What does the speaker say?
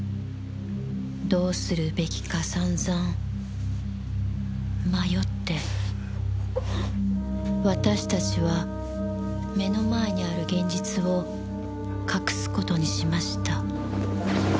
どうするべきか散々迷って私たちは目の前にある現実を隠す事にしました。